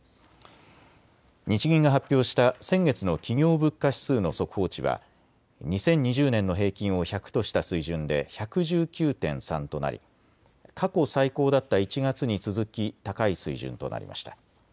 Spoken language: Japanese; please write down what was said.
日銀が発表した先月の企業物価指数の速報値は２０２０年の平均を１００とした水準で１１９．３となり過去最高だった１月に続き高い水準となりました。